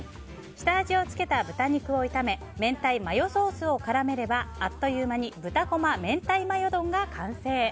下味をつけた豚肉を炒め明太マヨソースを絡めればあっという間に豚こま明太マヨ丼が完成。